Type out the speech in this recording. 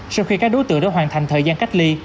sau khi các đối tượng đã hoàn thành thời gian cách ly